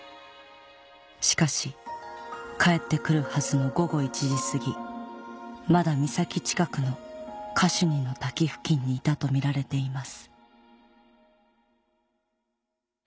しかし帰って来るはずの午後１時すぎまだ岬近くのカシュニの滝付近にいたとみられています